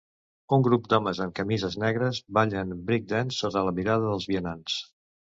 Un grup d'homes amb camises negres ballen breakdance sota la mirada dels vianants.